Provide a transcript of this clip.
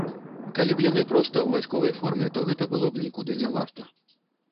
Калі б яны проста ў вайсковай форме, то гэта было б нікуды не варта.